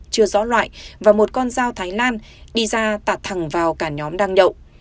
chưa rõ loại và một con dao thái lan đi ra tạt thẳng vào cả nhóm đang đậu